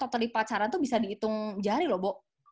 totally pacaran tuh bisa diitung jari loh bo